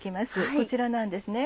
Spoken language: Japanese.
こちらなんですね。